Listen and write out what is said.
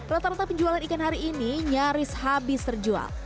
rata rata penjualan ikan hari ini nyaris habis terjual